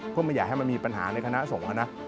เพื่อไม่อยากให้มันมีปัญหาในคณะสงฆ์นะ